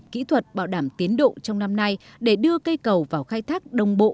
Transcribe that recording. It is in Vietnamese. kỹ thuật bảo đảm tiến độ trong năm nay để đưa cây cầu vào khai thác đồng bộ